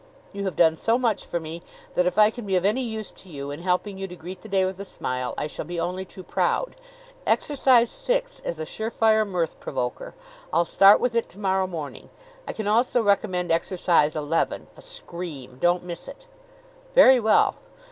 You have done so much for me that if I can be of any use to you, in helping you to greet the day with a smile, I shall be only too proud. Exercise Six is a sure fire mirth provoker; I'll start with it to morrow morning. I can also recommend Exercise Eleven a scream! Don't miss it." "Very well.